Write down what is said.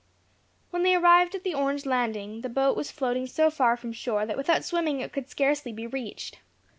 When they arrived at the orange landing the boat was floating so far from shore, that without swimming it could scarcely be reached.